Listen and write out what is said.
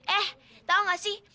eh tau gak sih